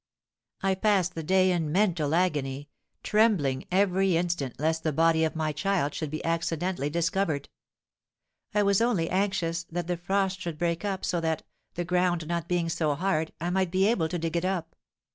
I passed the day in mental agony, trembling every instant lest the body of my child should be accidentally discovered. I was only anxious that the frost should break up, so that, the ground not being so hard, I might be able to dig it up.